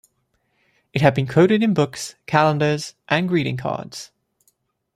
It has been quoted in books, calendars, and greeting cards.